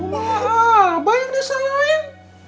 wah abah yang desain